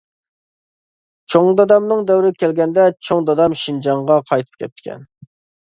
چوڭ دادامنىڭ دەۋرىگە كەلگەندە، چوڭ دادام شىنجاڭغا قايتىپ كەپتىكەن.